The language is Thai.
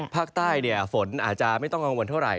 ภาคใต้ฝนอาจจะไม่ต้องกังวลเท่าไห